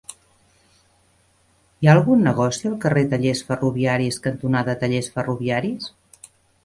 Hi ha algun negoci al carrer Tallers Ferroviaris cantonada Tallers Ferroviaris?